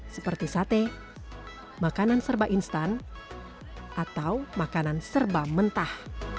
seperti sate makanan serba instan atau makanan serba mentah